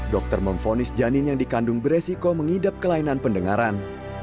dokter memfonis janin yang dikandung beresiko mengidap kelainan pendengaran